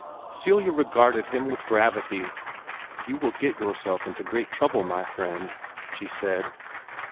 Celia regarded him with gravity. "You will get yourself into great trouble, my friend," she said.